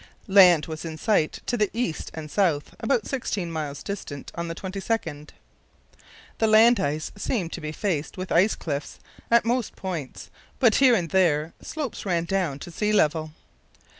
Land was in sight to the east and south about sixteen miles distant on the 22nd. The land ice seemed to be faced with ice cliffs at most points, but here and there slopes ran down to sea level.